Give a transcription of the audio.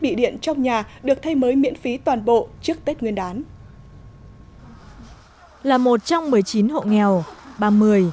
bị điện trong nhà được thay mới miễn phí toàn bộ trước tết nguyên đán là một trong một mươi chín hộ nghèo